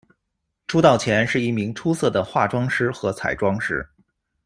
出道前，是一名出色的化妆师和彩妆师。